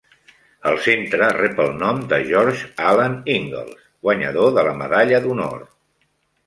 El centre rep el nom de George Alan Ingalls, guanyador de la medalla d'honor.